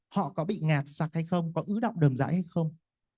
họ có bị ngạt sặc hay không có ứ động đầm dãy hay không